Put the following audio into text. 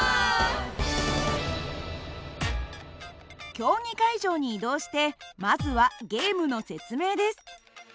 競技会場に移動してまずはゲームの説明です。